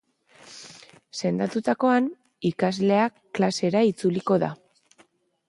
Sendatutakoan, ikaslea klasera itzuliko da.